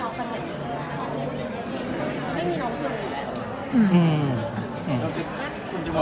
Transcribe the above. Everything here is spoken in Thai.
น้องที่หนูนี้ขึ้นน้องที่อยู่ด้านลัง